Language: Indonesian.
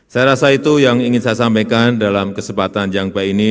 saya rasa itu yang ingin saya sampaikan dalam kesempatan yang baik ini